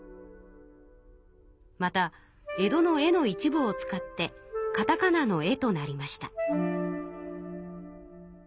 また江戸の「江」の一部を使ってかたかなの「エ」となりました。